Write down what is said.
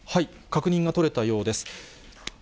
確認が取れたようです。